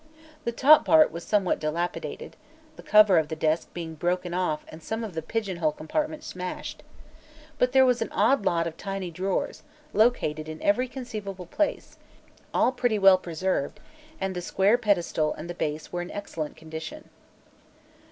The top part was somewhat dilapidated, the cover of the desk being broken off and some of the "pigeonhole" compartments smashed. But there was an odd lot of tiny drawers, located in every conceivable place, all pretty well preserved, and the square pedestal and the base were in excellent condition.